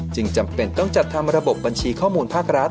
จำเป็นต้องจัดทำระบบบัญชีข้อมูลภาครัฐ